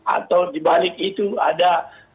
atau dibalik itu ada